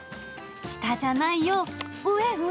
下じゃないよ、上、上。